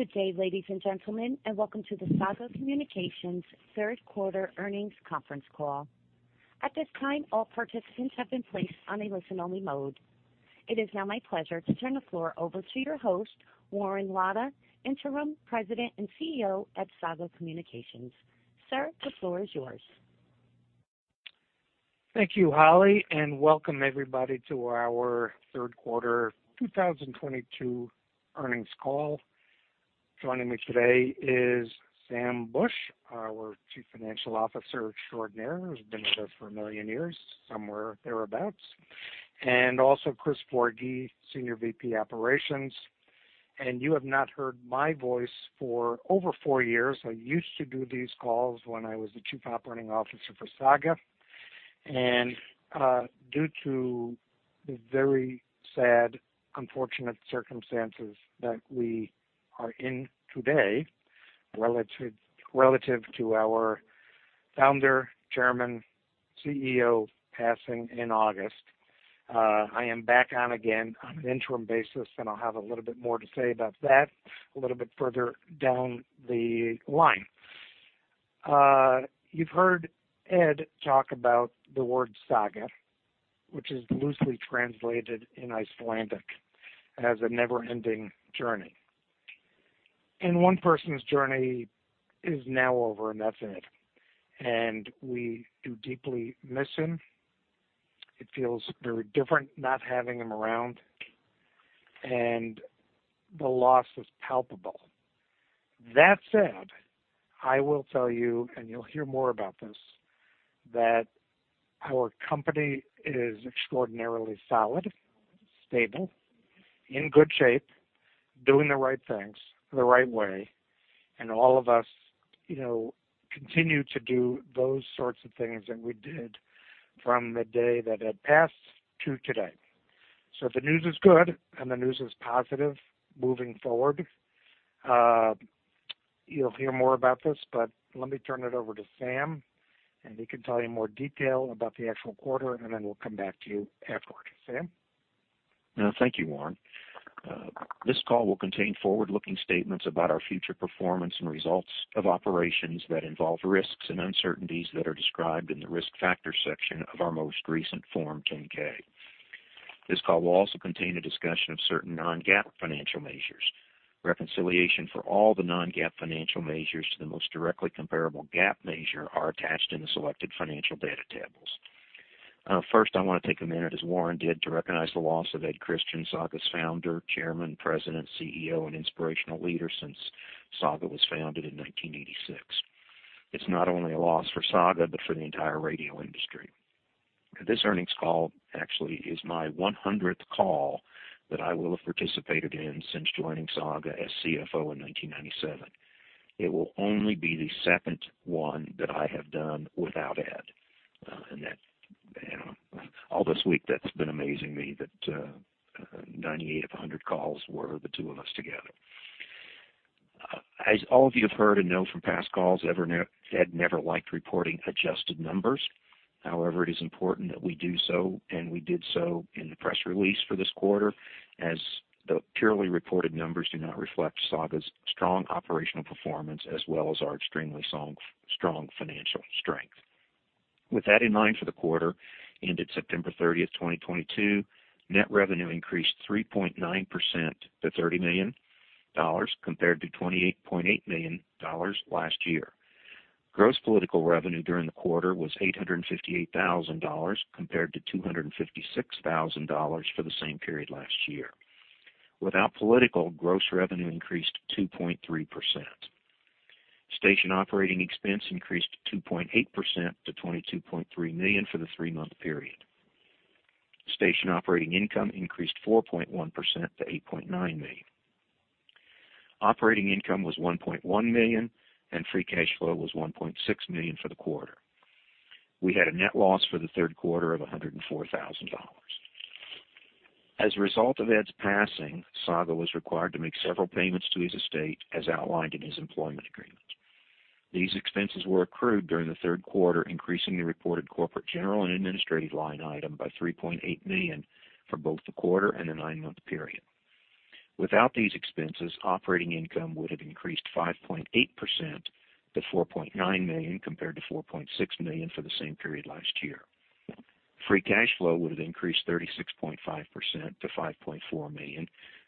Good day, ladies and gentlemen, and welcome to the Saga Communications Third Quarter Earnings Conference Call. At this time, all participants have been placed on a listen-only mode. It is now my pleasure to turn the floor over to your host, Warren Lada, Interim President and CEO at Saga Communications. Sir, the floor is yours. Thank you, Holly, and welcome everybody to our Third Quarter 2022 Earnings Call. Joining me today is Sam Bush, our Chief Financial Officer extraordinaire, who's been with us for a million years, somewhere thereabouts, and also Chris Forgy, Senior VP, Operations. You have not heard my voice for over four years. I used to do these calls when I was the Chief Operating Officer for Saga. Due to the very sad, unfortunate circumstances that we are in today relative to our Founder, Chairman, CEO, passing in August, I am back on again on an interim basis, and I'll have a little bit more to say about that a little bit further down the line. You've heard Ed talk about the word Saga, which is loosely translated in Icelandic as a never-ending journey. One person's journey is now over, and that's it. We do deeply miss him. It feels very different not having him around, and the loss is palpable. That said, I will tell you, and you'll hear more about this, that our company is extraordinarily solid, stable, in good shape, doing the right things the right way, and all of us, you know, continue to do those sorts of things that we did from the day that Ed passed to today. The news is good and the news is positive moving forward. You'll hear more about this, but let me turn it over to Sam, and he can tell you more detail about the actual quarter, and then we'll come back to you afterward. Sam? Thank you, Warren. This call will contain forward-looking statements about our future performance and results of operations that involve risks and uncertainties that are described in the Risk Factors section of our most recent Form 10-K. This call will also contain a discussion of certain non-GAAP financial measures. Reconciliation for all the non-GAAP financial measures to the most directly comparable GAAP measure are attached in the selected financial data tables. First, I wanna take a minute, as Warren did, to recognize the loss of Ed Christian, Saga's founder, chairman, president, CEO, and inspirational leader since Saga was founded in 1986. It's not only a loss for Saga, but for the entire radio industry. This earnings call actually is my 100th call that I will have participated in since joining Saga as CFO in 1997. It will only be the second one that I have done without Ed. That, you know, all this week, that's been amazing me, that 98 of 100 calls were the two of us together. As all of you have heard and know from past calls, Ed never liked reporting adjusted numbers. However, it is important that we do so, and we did so in the press release for this quarter, as the purely reported numbers do not reflect Saga's strong operational performance as well as our extremely strong financial strength. With that in mind, for the quarter ended September 30th, 2022, net revenue increased 3.9% to $30 million, compared to $28.8 million last year. Gross political revenue during the quarter was $858,000, compared to $256,000 for the same period last year. Without political, gross revenue increased 2.3%. Station operating expense increased 2.8% to $22.3 million for the three-month period. Station operating income increased 4.1% to $8.9 million. Operating income was $1.1 million, and free cash flow was $1.6 million for the quarter. We had a net loss for the third quarter of $104,000. As a result of Ed's passing, Saga was required to make several payments to his estate as outlined in his employment agreement. These expenses were accrued during the third quarter, increasing the reported corporate, general, and administrative line item by $3.8 million for both the quarter and the nine-month period. Without these expenses, operating income would have increased 5.8% to $4.9 million, compared to $4.6 million for the same period last year. Free cash flow would have increased 36.5% to $5.4 million,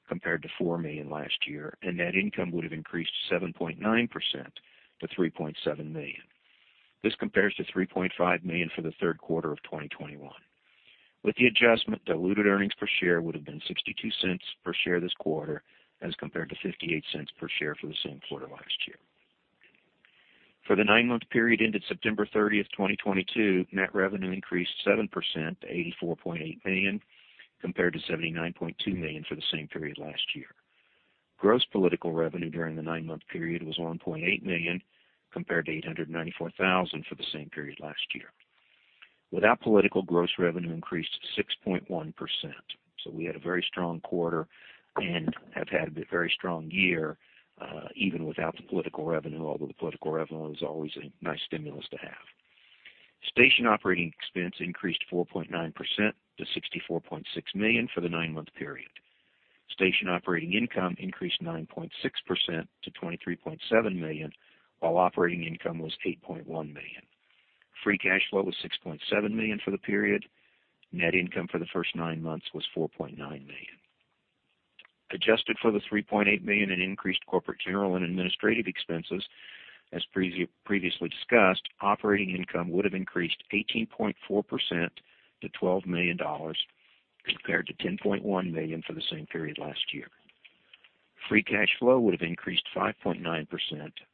compared to $4 million last year, and net income would have increased 7.9% to $3.7 million. This compares to $3.5 million for the third quarter of 2021. With the adjustment, diluted earnings per share would have been $0.62 per share this quarter, as compared to $0.58 per share for the same quarter last year. For the nine-month period ended September 30th, 2022, net revenue increased 7% to $84.8 million, compared to $79.2 million for the same period last year. Gross political revenue during the 9-month period was $1.8 million, compared to $894,000 for the same period last year. Without political, gross revenue increased 6.1%. We had a very strong quarter and have had a very strong year, even without the political revenue, although the political revenue is always a nice stimulus to have. Station operating expense increased 4.9% to $64.6 million for the nine-month period. Station Operating Income increased 9.6% to $23.7 million, while operating income was $8.1 million. Free cash flow was $6.7 million for the period. Net income for the first nine months was $4.9 million. Adjusted for the $3.8 million in increased corporate, general, and administrative expenses, as previously discussed, operating income would have increased 18.4% to $12 million compared to $10.1 million for the same period last year. Free cash flow would have increased 5.9%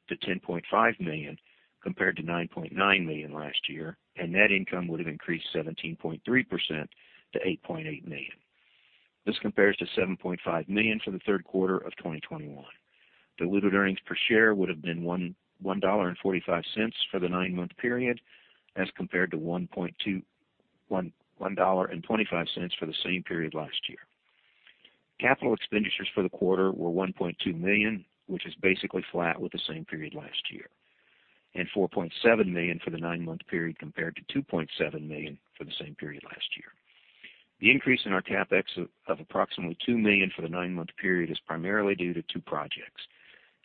to $10.5 million compared to $9.9 million last year, and net income would have increased 17.3% to $8.8 million. This compares to $7.5 million for the third quarter of 2021. Diluted earnings per share would have been $1.45 for the nine-month period as compared to $1.25 for the same period last year. Capital expenditures for the quarter were $1.2 million, which is basically flat with the same period last year, and $4.7 million for the nine-month period compared to $2.7 million for the same period last year. The increase in our CapEx of approximately $2 million for the nine-month period is primarily due to two projects.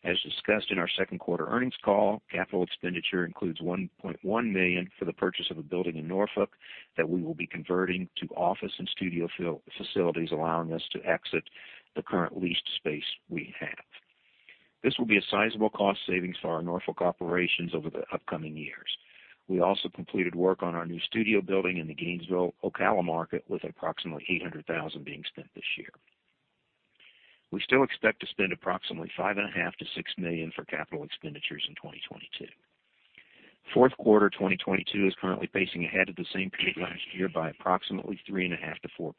As discussed in our second quarter earnings call, capital expenditure includes $1.1 million for the purchase of a building in Norfolk that we will be converting to office and studio facilities, allowing us to exit the current leased space we have. This will be a sizable cost savings for our Norfolk operations over the upcoming years. We also completed work on our new studio building in the Gainesville, Ocala market, with approximately $800,000 being spent this year. We still expect to spend approximately $5.5-$6 million for capital expenditures in 2022. Fourth quarter, 2022 is currently pacing ahead of the same period last year by approximately 3.5%-4%.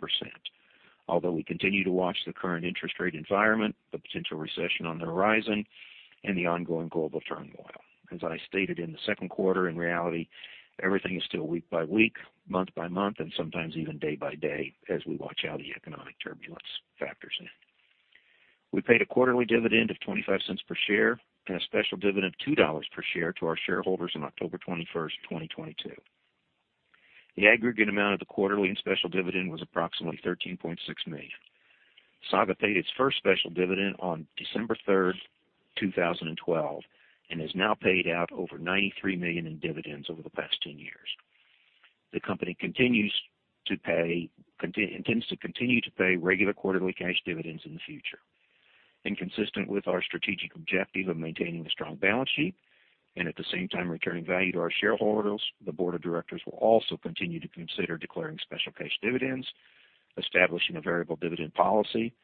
Although we continue to watch the current interest rate environment, the potential recession on the horizon and the ongoing global turmoil. As I stated in the second quarter, in reality, everything is still week by week, month by month, and sometimes even day by day as we watch how the economic turbulence factors in. We paid a quarterly dividend of $0.25 per share and a special dividend of $2 per share to our shareholders on October 21st, 2022. The aggregate amount of the quarterly and special dividend was approximately $13.6 million. Saga paid its first special dividend on December 3rd, 2012, and has now paid out over $93 million in dividends over the past 10 years. The company intends to continue to pay regular quarterly cash dividends in the future. Consistent with our strategic objective of maintaining a strong balance sheet and at the same time returning value to our shareholders, the board of directors will also continue to consider declaring special cash dividends, establishing a variable dividend policy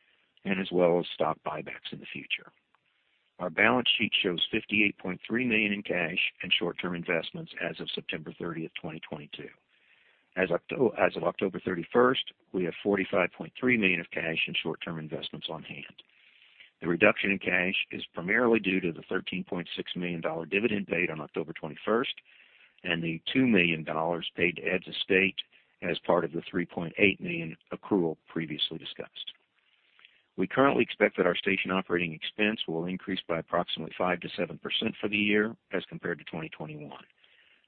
and as well as stock buybacks in the future. Our balance sheet shows $58.3 million in cash and short-term investments as of September 30th, 2022. As of October thirty-first, we have $45.3 million of cash and short-term investments on hand. The reduction in cash is primarily due to the $13.6 million dividend paid on October 21st and the $2 million paid to Ed's estate as part of the $3.8 million accrual previously discussed. We currently expect that our station operating expense will increase by approximately 5%-7% for the year as compared to 2021.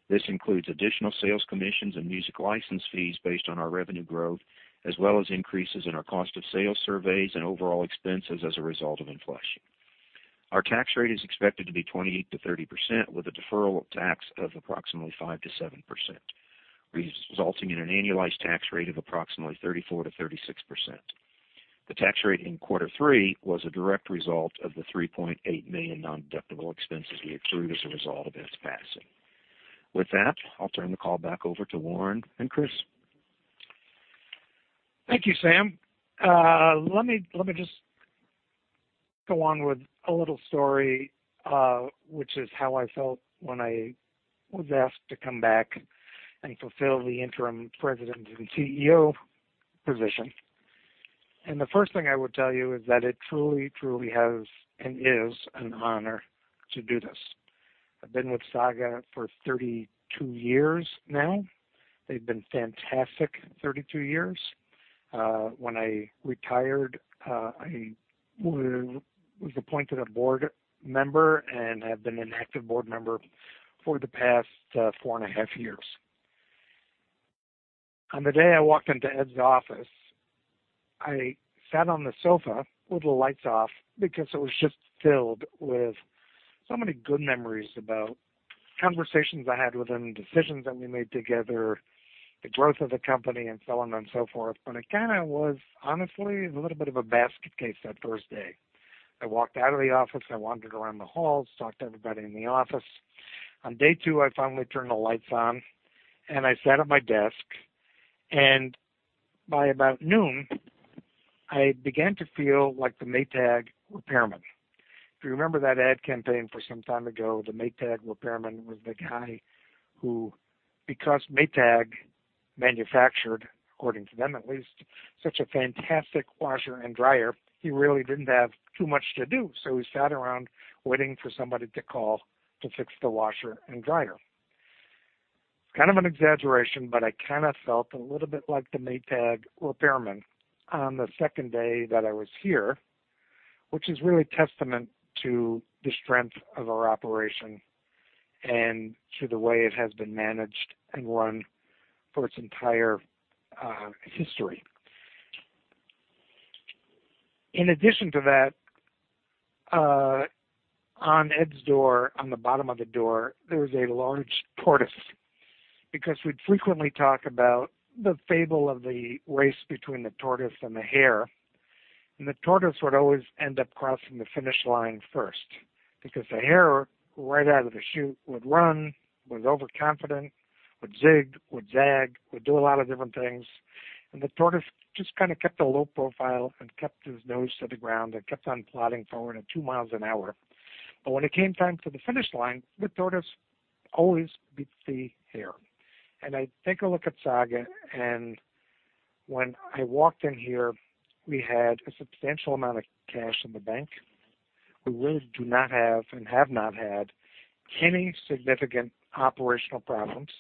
This includes additional sales commissions and music license fees based on our revenue growth, as well as increases in our cost of sales surveys and overall expenses as a result of inflation. Our tax rate is expected to be 28%-30%, with a deferred tax of approximately 5%-7%, resulting in an annualized tax rate of approximately 34%-36%. The tax rate in quarter three was a direct result of the $3.8 million non-deductible expenses we accrued as a result of Ed's passing. With that, I'll turn the call back over to Warren and Chris. Thank you, Sam. Let me just go on with a little story, which is how I felt when I was asked to come back and fulfill the Interim President and CEO position. The first thing I would tell you is that it truly has and is an honor to do this. I've been with Saga for 32 years now. They've been fantastic 32 years. When I retired, I was appointed a board member and have been an active board member for the past 4.5 years. On the day I walked into Ed's office, I sat on the sofa with the lights off because it was just filled with so many good memories about conversations I had with him, decisions that we made together, the growth of the company, and so on and so forth. I kinda was honestly a little bit of a basket case that first day. I walked out of the office, I wandered around the halls, talked to everybody in the office. On day two, I finally turned the lights on and I sat at my desk. By about noon, I began to feel like the Maytag repairman. If you remember that ad campaign for some time ago, the Maytag repairman was the guy who, because Maytag manufactured, according to them at least, such a fantastic washer and dryer, he really didn't have too much to do. He sat around waiting for somebody to call to fix the washer and dryer. It's kind of an exaggeration, but I kinda felt a little bit like the Maytag repairman on the second day that I was here. Which is really testament to the strength of our operation and to the way it has been managed and run for its entire history. In addition to that, on Ed's door, on the bottom of the door, there was a large tortoise because we'd frequently talk about the fable of the race between the tortoise and the hare. The tortoise would always end up crossing the finish line first because the hare, right out of the chute, would run, was overconfident, would zig, would zag, would do a lot of different things, and the tortoise just kinda kept a low profile and kept his nose to the ground and kept on plodding forward at two miles an hour. When it came time for the finish line, the tortoise always beat the hare. I take a look at Saga, and when I walked in here, we had a substantial amount of cash in the bank. We really do not have and have not had any significant operational problems,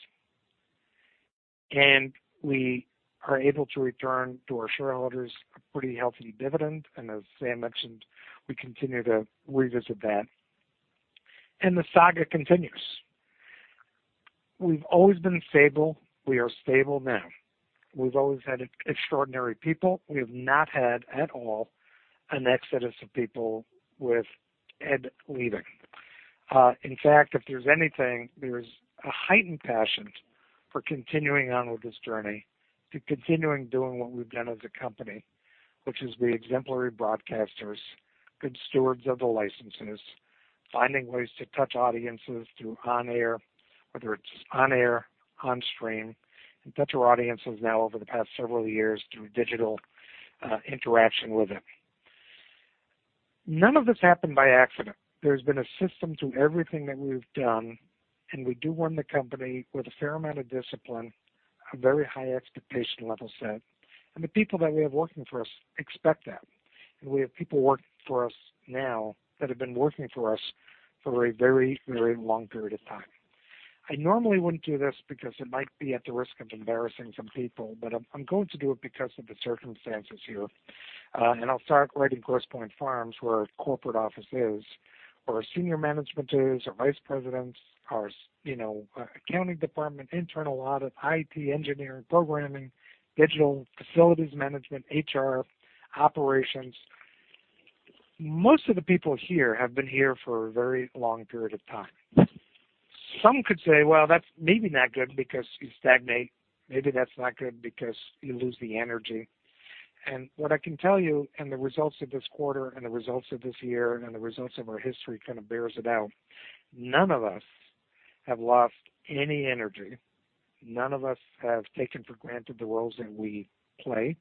and we are able to return to our shareholders a pretty healthy dividend. As Sam mentioned, we continue to revisit that. The saga continues. We've always been stable. We are stable now. We've always had extraordinary people. We have not had, at all, an exodus of people with Ed leaving. In fact, if there's anything, there's a heightened passion for continuing on with this journey, to continuing doing what we've done as a company, which is be exemplary broadcasters, good stewards of the licenses, finding ways to touch audiences through on-air, whether it's on-air, on stream, and touch our audiences now over the past several years through digital, interaction with them. None of this happened by accident. There's been a system to everything that we've done, and we do run the company with a fair amount of discipline, a very high expectation level set. The people that we have working for us expect that. We have people working for us now that have been working for us for a very, very long period of time. I normally wouldn't do this because it might be at the risk of embarrassing some people, but I'm going to do it because of the circumstances here. I'll start right in Grosse Pointe Farms, where our corporate office is, where our senior management is, our vice presidents, our you know, accounting department, internal audit, IT, engineering, programming, digital, facilities management, HR, operations. Most of the people here have been here for a very long period of time. Some could say, well, that's maybe not good because you stagnate. Maybe that's not good because you lose the energy. What I can tell you and the results of this quarter and the results of this year and the results of our history kind of bears it out, none of us have lost any energy. None of us have taken for granted the roles that we play,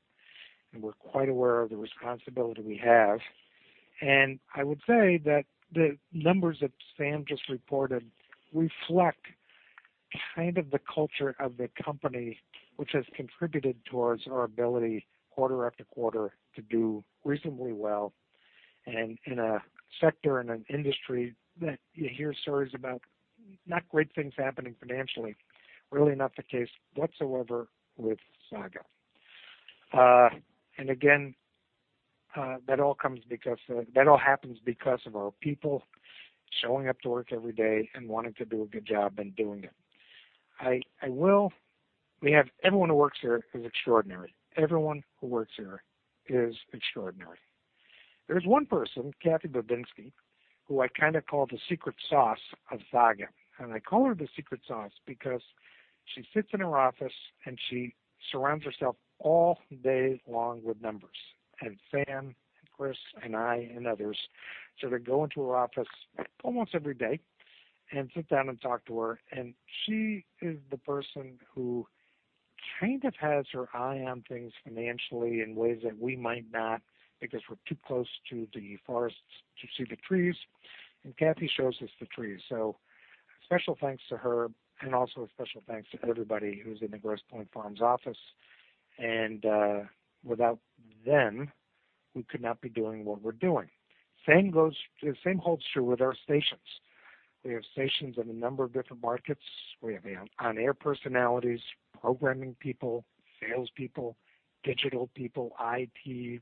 and we're quite aware of the responsibility we have. I would say that the numbers that Sam just reported reflect kind of the culture of the company, which has contributed towards our ability quarter after quarter to do reasonably well. In a sector, in an industry that you hear stories about not great things happening financially, really not the case whatsoever with Saga. That all happens because of our people showing up to work every day and wanting to do a good job and doing it. Everyone who works here is extraordinary. Everyone who works here is extraordinary. There's one person, Kathy Babinski, who I kinda call the secret sauce of Saga, and I call her the secret sauce because she sits in her office, and she surrounds herself all day long with numbers. Sam and Chris and I and others sort of go into her office almost every day and sit down and talk to her. She is the person who kind of has her eye on things financially in ways that we might not because we're too close to the forests to see the trees, and Kathy shows us the trees. Special thanks to her and also a special thanks to everybody who's in the Grosse Pointe Farms office. Without them, we could not be doing what we're doing. The same holds true with our stations. We have stations in a number of different markets. We have on-air personalities, programming people, salespeople, digital people, IT,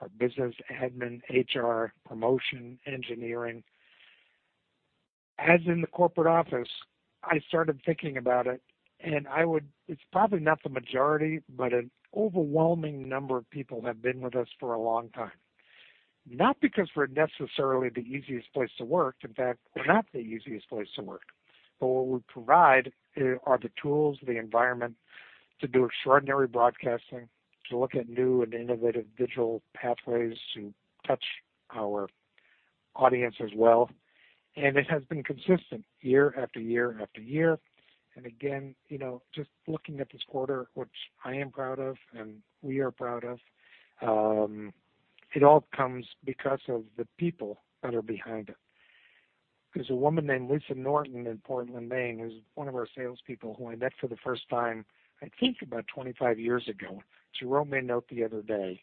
our business admin, HR, promotion, engineering. As in the corporate office, I started thinking about it. It's probably not the majority, but an overwhelming number of people have been with us for a long time, not because we're necessarily the easiest place to work. In fact, we're not the easiest place to work. What we provide are the tools, the environment to do extraordinary broadcasting, to look at new and innovative digital pathways, to touch our audience as well. It has been consistent year after year after year. Again, you know, just looking at this quarter, which I am proud of and we are proud of, it all comes because of the people that are behind it. There's a woman named Lisa Norton in Portland, Maine, who's one of our salespeople who I met for the first time, I think, about 25 years ago. She wrote me a note the other day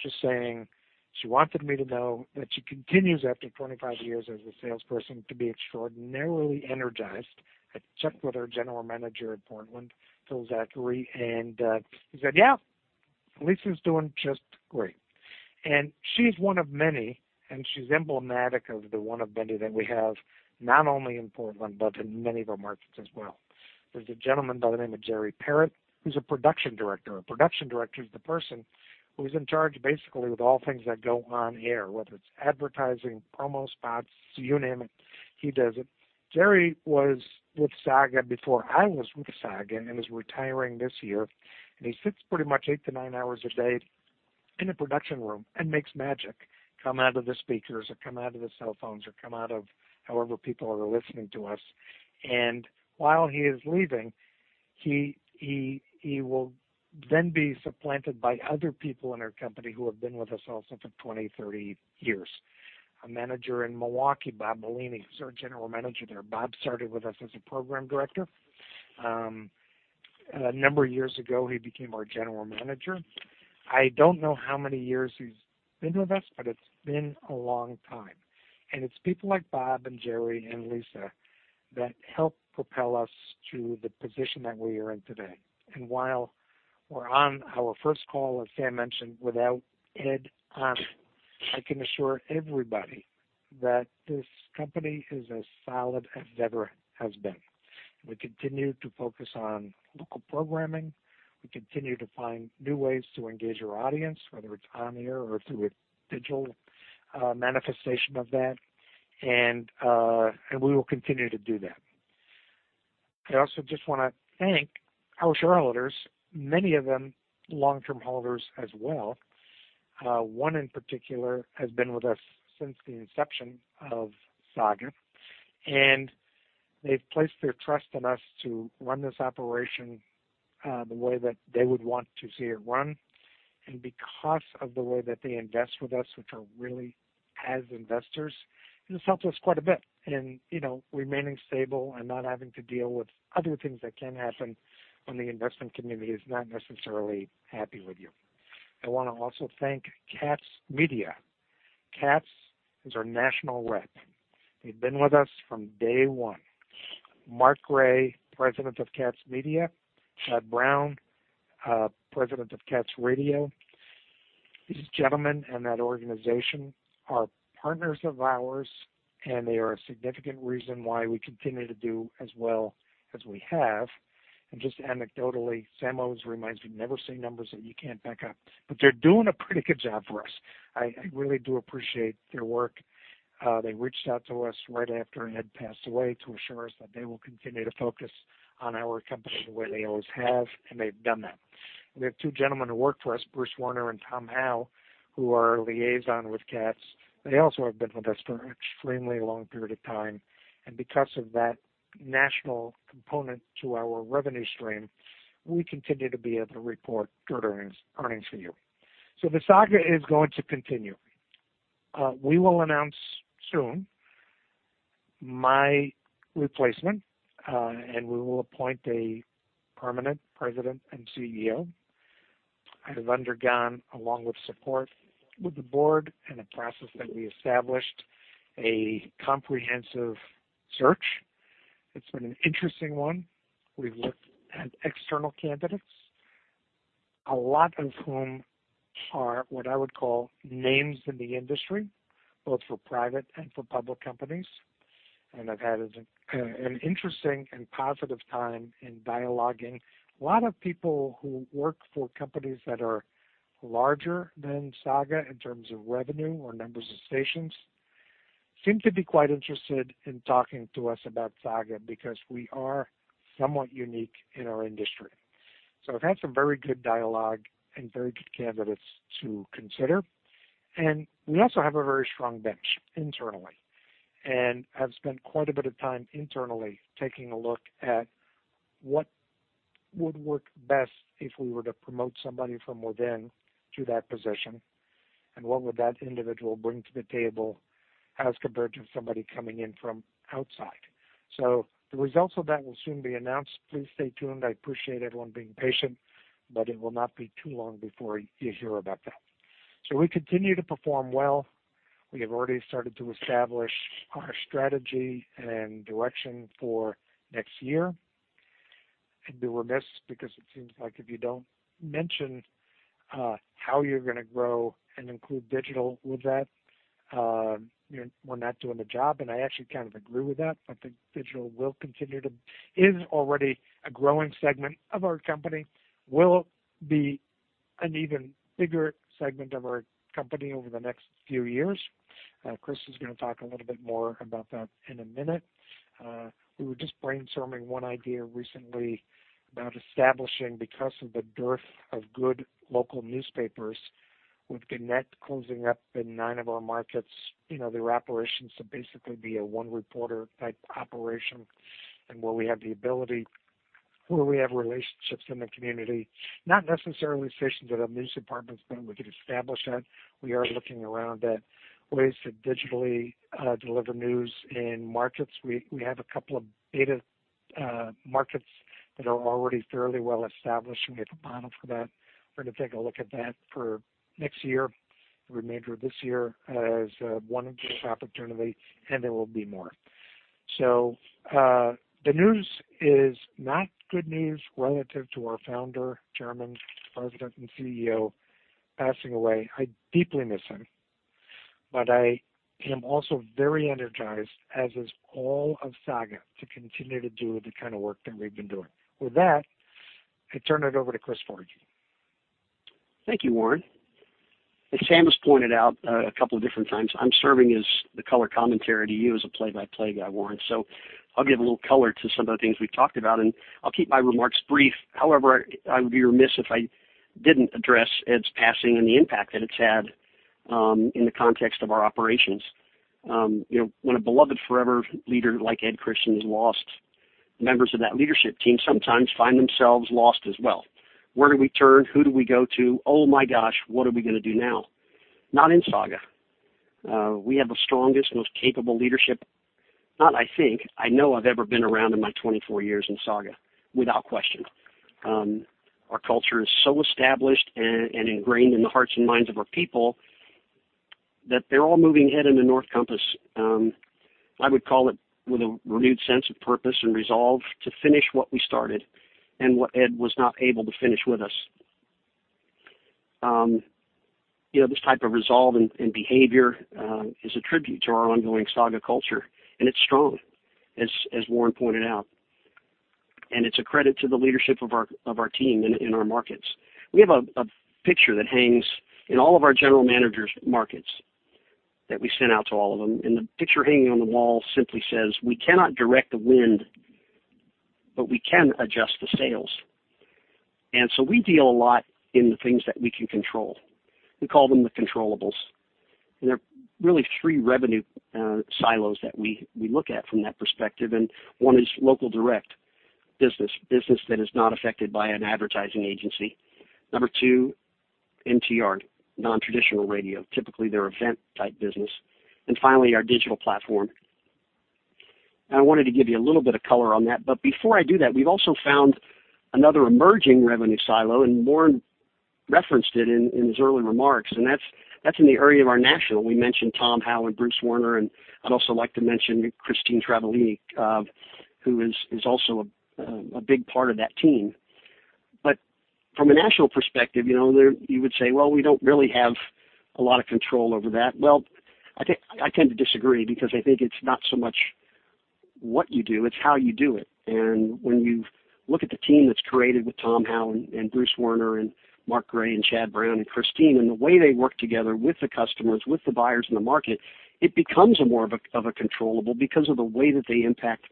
just saying she wanted me to know that she continues, after 25 years as a salesperson, to be extraordinarily energized. I checked with our general manager at Portland, Phil Zachary, and, he said, "Yeah, Lisa's doing just great." She's one of many, and she's emblematic of the one of many that we have, not only in Portland, but in many of our markets as well. There's a gentleman by the name of Gerald Marolf, who's a production director. A production director is the person who's in charge, basically, with all things that go on air, whether it's advertising, promo spots, you name it, he does it. Jerry was with Saga before I was with Saga and is retiring this year. He sits pretty much 8-9 hours a day in a production room and makes magic come out of the speakers or come out of the cell phones, or come out of however people are listening to us. While he is leaving, he will then be supplanted by other people in our company who have been with us also for 20, 30 years. A manager in Milwaukee, Bob Bellini, who's our general manager there. Bob started with us as a program director. A number of years ago, he became our general manager. I don't know how many years he's been with us, but it's been a long time. It's people like Bob and Jerry, and Lisa that help propel us to the position that we are in today. While we're on our first call, as Sam mentioned, without Ed on, I can assure everybody that this company is as solid as it ever has been. We continue to focus on local programming. We continue to find new ways to engage our audience, whether it's on air or through a digital manifestation of that. We will continue to do that. I also just wanna thank our shareholders, many of them long-term holders as well. One in particular has been with us since the inception of Saga, and they've placed their trust in us to run this operation, the way that they would want to see it run. Because of the way that they invest with us, which are really as investors, it has helped us quite a bit in, you know, remaining stable and not having to deal with other things that can happen when the investment community is not necessarily happy with you. I wanna also thank Katz Media. Katz is our national rep. They've been with us from day one. Mark Gray, President of Katz Media, Chad Brown, President of Katz Radio. These gentlemen and that organization are partners of ours, and they are a significant reason why we continue to do as well as we have. Just anecdotally, Sam always reminds me, never say numbers that you can't back up, but they're doing a pretty good job for us. I really do appreciate their work. They reached out to us right after Ed passed away to assure us that they will continue to focus on our company the way they always have, and they've done that. We have two gentlemen who work for us, Bruce Warner and Tom Howell, who are our liaison with Katz. They also have been with us for an extremely long period of time. Because of that national component to our revenue stream, we continue to be able to report good earnings for you. The saga is going to continue. We will announce soon my replacement, and we will appoint a permanent President and CEO. I have undergone, along with support with the board and a process that we established, a comprehensive search. It's been an interesting one. We've looked at external candidates, a lot of whom are what I would call names in the industry, both for private and for public companies. I've had an interesting and positive time in dialoguing. A lot of people who work for companies that are larger than Saga in terms of revenue or numbers of stations seem to be quite interested in talking to us about Saga because we are somewhat unique in our industry. I've had some very good dialogue and very good candidates to consider. We also have a very strong bench internally, and have spent quite a bit of time internally taking a look at what would work best if we were to promote somebody from within to that position, and what would that individual bring to the table as compared to somebody coming in from outside. The results of that will soon be announced. Please stay tuned. I appreciate everyone being patient, but it will not be too long before you hear about that. We continue to perform well. We have already started to establish our strategy and direction for next year. I'd be remiss because it seems like if you don't mention how you're gonna grow and include digital with that, we're not doing the job, and I actually kind of agree with that. I think digital is already a growing segment of our company, will be an even bigger segment of our company over the next few years. Chris is gonna talk a little bit more about that in a minute. We were just brainstorming one idea recently about establishing, because of the dearth of good local newspapers, with Gannett closing up in 9 of our markets. You know, their operations to basically be a one reporter type operation. Where we have the ability, where we have relationships in the community, not necessarily stations that have news departments, but we could establish that. We are looking around at ways to digitally deliver news in markets. We have a couple of beta markets that are already fairly well established, and we have a model for that. We're gonna take a look at that for next year, the remainder of this year as one interesting opportunity, and there will be more. The news is not good news relative to our Founder, Chairman, President, and CEO passing away. I deeply miss him, but I am also very energized, as is all of Saga, to continue to do the kind of work that we've been doing. With that, I turn it over to Chris Forgy. Thank you, Warren. As Sam has pointed out a couple of different times, I'm serving as the color commentary to you as a play-by-play guy, Warren. I'll give a little color to some of the things we've talked about, and I'll keep my remarks brief. However, I would be remiss if I didn't address Ed's passing and the impact that it's had, in the context of our operations. You know, when a beloved forever leader like Ed Christian is lost, members of that leadership team sometimes find themselves lost as well. Where do we turn? Who do we go to? Oh, my gosh, what are we gonna do now? Not in Saga. We have the strongest, most capable leadership, not I think, I know I've ever been around in my 24 years in Saga, without question. Our culture is so established and ingrained in the hearts and minds of our people that they're all moving ahead with the true north compass. I would call it with a renewed sense of purpose and resolve to finish what we started and what Ed was not able to finish with us. You know, this type of resolve and behavior is a tribute to our ongoing Saga culture, and it's strong, as Warren pointed out, and it's a credit to the leadership of our team in our markets. We have a picture that hangs in all of our general managers' markets that we sent out to all of them. The picture hanging on the wall simply says, "We cannot direct the wind, but we can adjust the sails." We deal a lot in the things that we can control. We call them the controllables. They're really three revenue silos that we look at from that perspective. One is local direct business that is not affected by an advertising agency. Number two, NTR, non-traditional radio. Typically, they're event type business. Finally, our digital platform. I wanted to give you a little bit of color on that. Before I do that, we've also found another emerging revenue silo, and Warren referenced it in his early remarks, and that's in the area of our national. We mentioned Tom Howell and Bruce Warner, and I'd also like to mention Christine Travaglini, who is also a big part of that team. From a national perspective, you know, you would say, "Well, we don't really have a lot of control over that." Well, I think I tend to disagree because I think it's not so much what you do, it's how you do it. When you look at the team that's created with Tom Howell and Bruce Warner, and Mark Gray, and Chad Brown, and Christine, and the way they work together with the customers, with the buyers in the market, it becomes more of a controllable because of the way that they impact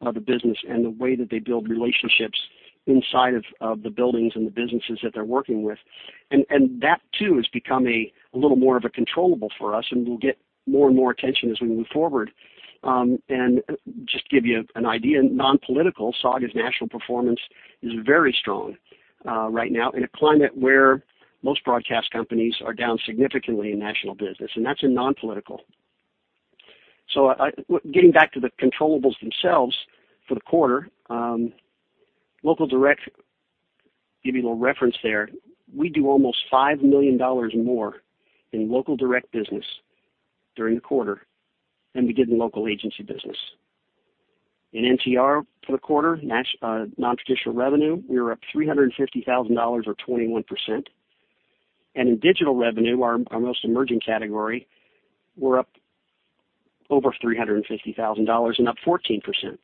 the business and the way that they build relationships inside of the buildings and the businesses that they're working with. That too has become a little more of a controllable for us, and will get more and more attention as we move forward. Just give you an idea, non-political, Saga's national performance is very strong right now in a climate where most broadcast companies are down significantly in national business, and that's in non-political. Getting back to the controllables themselves for the quarter, local direct, give you a little reference there. We do almost $5 million more in local direct business during the quarter than we did in local agency business. In NTR for the quarter, non-traditional revenue, we were up $350,000 or 21%. In digital revenue, our most emerging category, we're up over $350,000 and up 14%.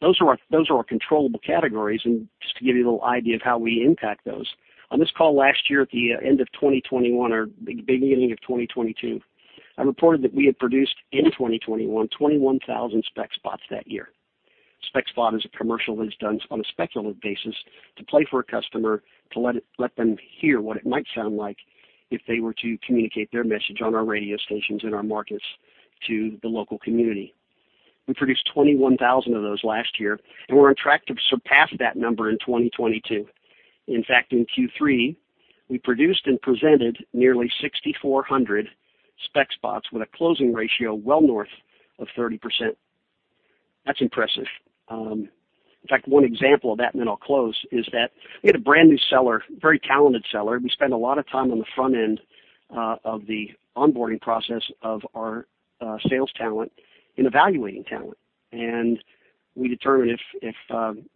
Those are our controllable categories. Just to give you a little idea of how we impact those. On this call last year at the end of 2021 or beginning of 2022, I reported that we had produced in 2021, 21,000 spec spots that year. Spec spot is a commercial that is done on a speculative basis to play for a customer to let them hear what it might sound like if they were to communicate their message on our radio stations in our markets to the local community. We produced 21,000 of those last year, and we're on track to surpass that number in 2022. In fact, in Q3, we produced and presented nearly 6,400 spec spots with a closing ratio well north of 30%. That's impressive. In fact, one example of that, and then I'll close, is that we had a brand new seller, very talented seller. We spend a lot of time on the front end of the onboarding process of our sales talent in evaluating talent. We determine if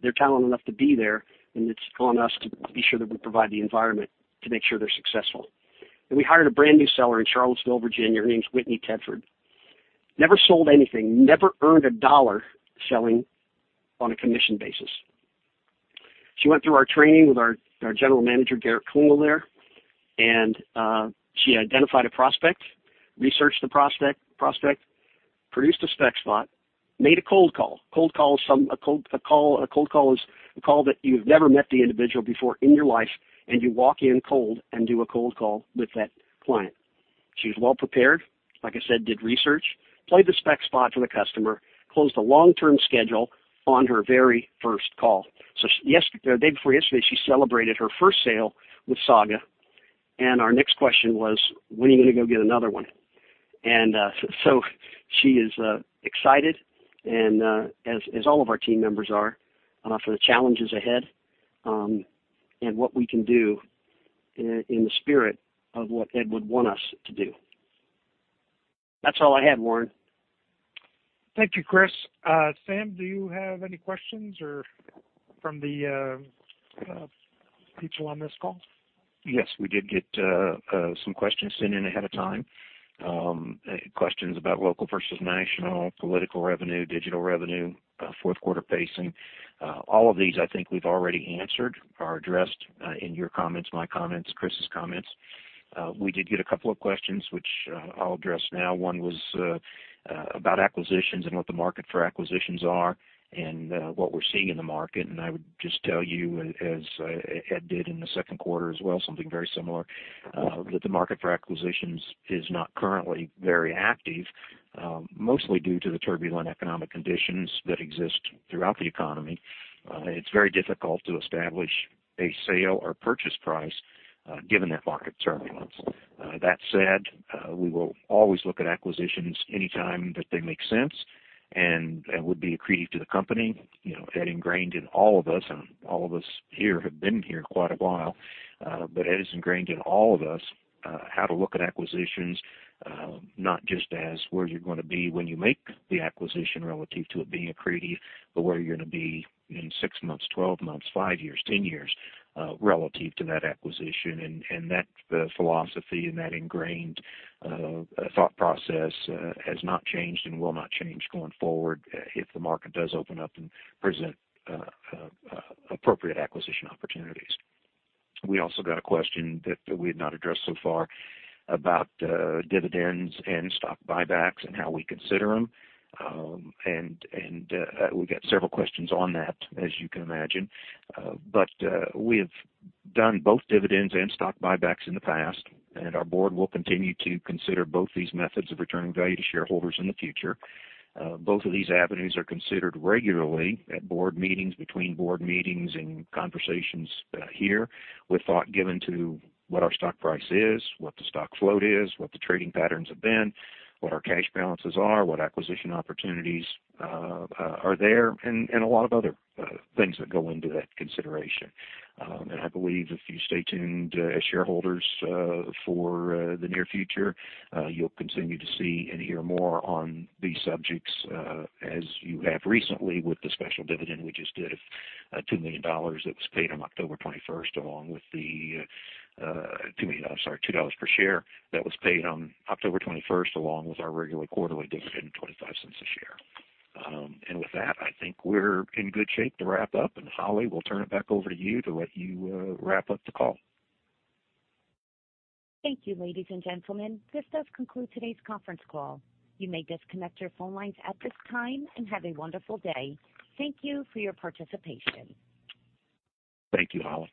they're talented enough to be there, and it's on us to be sure that we provide the environment to make sure they're successful. We hired a brand new seller in Charlottesville, Virginia. Her name's Whitney Tedford. Never sold anything, never earned a dollar selling on a commission basis. She went through our training with our General Manager, Garrett Klingel there. She identified a prospect, researched the prospect, produced a spec spot, made a cold call. A cold call is a call that you've never met the individual before in your life, and you walk in cold and do a cold call with that client. She was well prepared. Like I said, did research. Played the spec spot for the customer. Closed a long-term schedule on her very first call. Yes, the day before yesterday, she celebrated her first sale with Saga, and our next question was, "When are you gonna go get another one?" She is excited and, as all of our team members are, for the challenges ahead, and what we can do. In the spirit of what Ed would want us to do. That's all I had, Warren. Thank you, Chris. Sam, do you have any questions or from the people on this call? Yes, we did get some questions sent in ahead of time. Questions about local versus national, political revenue, digital revenue, fourth quarter pacing. All of these, I think we've already answered or addressed in your comments, my comments, Chris's comments. We did get a couple of questions which I'll address now. One was about acquisitions and what the market for acquisitions are and what we're seeing in the market. I would just tell you, as Ed did in the second quarter as well, something very similar, that the market for acquisitions is not currently very active, mostly due to the turbulent economic conditions that exist throughout the economy. It's very difficult to establish a sale or purchase price given that market turbulence. That said, we will always look at acquisitions anytime that they make sense and would be accretive to the company. You know, Ed ingrained in all of us, and all of us here have been here quite a while, but Ed is ingrained in all of us how to look at acquisitions, not just as where you're gonna be when you make the acquisition relative to it being accretive, but where you're gonna be in six months, 12 months, five years, 10 years, relative to that acquisition. That philosophy and that ingrained thought process has not changed and will not change going forward if the market does open up and present appropriate acquisition opportunities. We also got a question that we had not addressed so far about dividends and stock buybacks and how we consider them. We've got several questions on that, as you can imagine. We have done both dividends and stock buybacks in the past, and our board will continue to consider both these methods of returning value to shareholders in the future. Both of these avenues are considered regularly at board meetings, between board meetings and conversations here, with thought given to what our stock price is, what the stock float is, what the trading patterns have been, what our cash balances are, what acquisition opportunities are there, and a lot of other things that go into that consideration. I believe if you stay tuned as shareholders for the near future, you'll continue to see and hear more on these subjects as you have recently with the special dividend we just did of $2 million that was paid on October 21st along with the $2 per share that was paid on October 21st along with our regular quarterly dividend $0.25 per share. With that, I think we're in good shape to wrap up. Holly, we'll turn it back over to you to let you wrap up the call. Thank you, ladies and gentlemen. This does conclude today's conference call. You may disconnect your phone lines at this time and have a wonderful day. Thank you for your participation. Thank you, Holly.